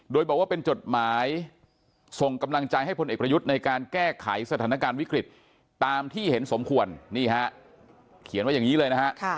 โดยบอกว่าเป็นจดหมายส่งกำลังใจให้พลเอกประยุทธ์ในการแก้ไขสถานการณ์วิกฤตตามที่เห็นสมควรนี่ฮะเขียนไว้อย่างนี้เลยนะฮะ